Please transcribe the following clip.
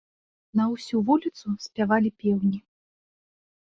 На ўсю вуліцу спявалі пеўні.